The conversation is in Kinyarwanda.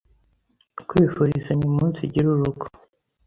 Kwifurizenye umunsigire urugo